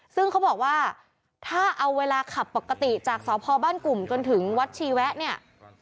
ซึ่งเขาบอกว่าถ้าเอาเวลาขับปกติจากสพบ้านกลุ่มจนถึงวัดชีแวะเนี่ย